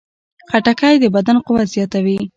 خټکی د بدن قوت زیاتوي.